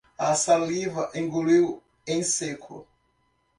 A saliva engoliu em seco.